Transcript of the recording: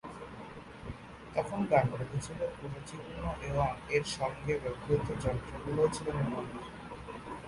তখন গানগুলি ছিল কুরুচিপূর্ণ এবং এর সঙ্গে ব্যবহূত যন্ত্রগুলিও ছিল নিম্নমানের।